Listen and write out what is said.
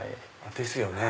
ですよね。